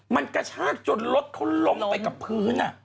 มันกระชากจนรถเขาล้มไปกับพื้น